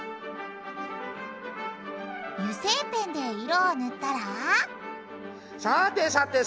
油性ペンで色を塗ったらさてさて